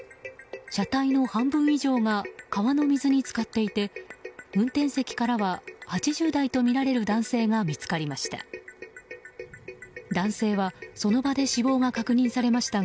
車体の半分以上が川の水に浸かっていて運転席からは８０代とみられる男性が見つかりました。